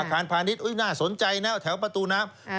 พาณิชย์น่าสนใจนะแถวประตูน้ำ